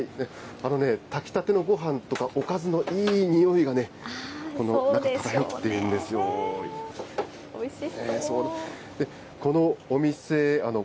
あのね、炊きたてのごはんとかおかずのいい匂いがね、この中を漂っているおいしそう。